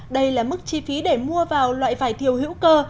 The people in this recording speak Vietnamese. đây là mức chi phí để mua vào loại vải thiều hữu cơ